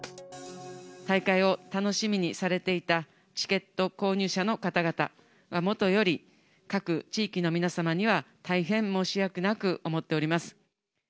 大会を楽しみにされていたチケット購入者の方々はもとより、各地域の皆様には大変申し訳なく思っております。